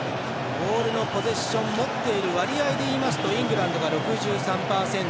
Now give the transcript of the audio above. ボールのポゼッション持っている割合で言いますとイングランドが６３％